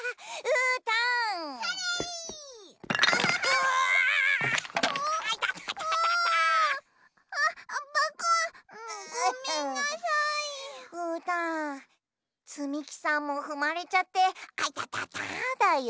うーたんつみきさんもふまれちゃってあいたただよ。